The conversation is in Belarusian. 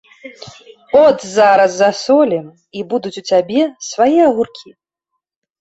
От зараз засолім, і будуць у цябе свае агуркі.